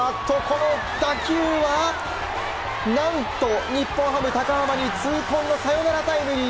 打球は何と日本ハム高濱に痛恨のサヨナラタイムリー。